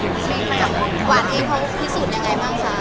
กว่าที่พี่สูดยังไงบ้างฟ้าที่ผ่านไป